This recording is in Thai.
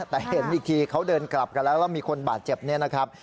แต่เห็นอีกทีเขาเดินกลับกันแล้วแล้วมีคนบาดเจ็บเนี่ยนะครับ